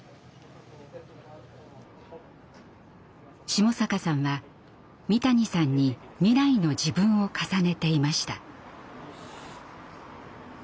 下坂さんは三谷さんに未来の自分を重ねていました。